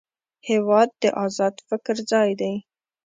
هېواد د ازاد فکر ځای دی.